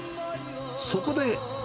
そこで。